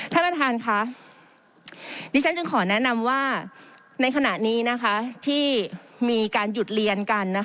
ท่านประธานค่ะดิฉันจึงขอแนะนำว่าในขณะนี้ที่มีการหยุดเรียนกัน